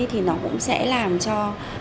thì nó cũng sẽ làm cho